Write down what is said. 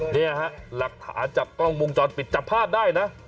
เนี่ยฮะหลักฐานจากกล้องวงจรปิดจับภาพได้นะ